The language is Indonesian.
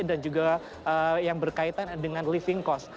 dan juga yang berkaitan dengan living cost